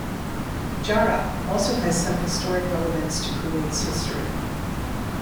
Jahra also has some historic relevance to Kuwait's history.